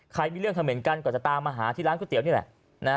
มีเรื่องเขม่นกันก็จะตามมาหาที่ร้านก๋วเตี๋ยนี่แหละ